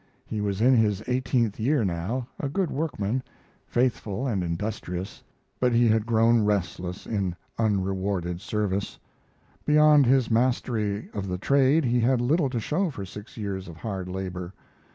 He was in his eighteenth year now, a good workman, faithful and industrious, but he had grown restless in unrewarded service. Beyond his mastery of the trade he had little to show for six years of hard labor.